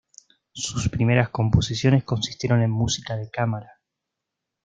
Sus primeras composiciones consistieron en música de cámara